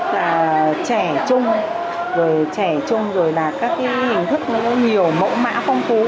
hình thức là trẻ trung rồi trẻ trung rồi là các cái hình thức nó có nhiều mẫu mã phong phú